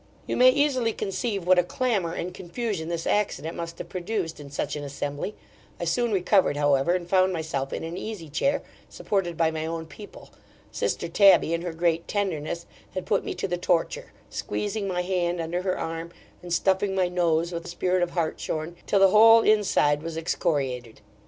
You may easily conceive what a clamour and confusion this accident must have produced, in such an assembly I soon recovered, however, and found myself in an easy chair, supported by my own people Sister Tabby, in her great tenderness, had put me to the torture, squeezing my hand under her arm, and stuffing my nose with spirit of hartshorn, till the whole inside was excoriated.